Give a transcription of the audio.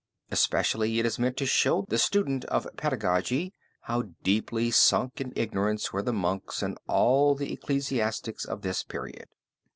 Especially it is meant to show the student of pedagogy how deeply sunk in ignorance were the monks and all the ecclesiastics of this period.